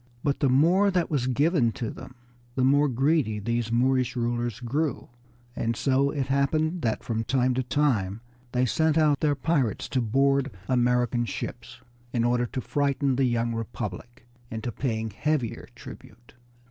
But the more that was given to them the more greedy these Moorish rulers grew, and so it happened that from time to time they sent out their pirates to board American ships in order to frighten the young Republic into paying heavier tribute.